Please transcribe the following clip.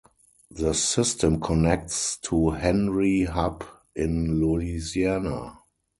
The system connects to Henry Hub in Louisiana.